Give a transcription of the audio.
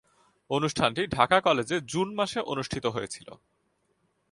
অনুষ্ঠানটি ঢাকা কলেজে জুন মাসে অনুষ্ঠিত হয়েছিলো।